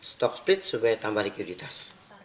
stock split supaya tambah likuiditas